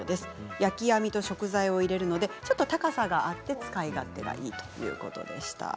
焼き網と食材を入れるのでちょっと高さがあって使い勝手がいいということでした。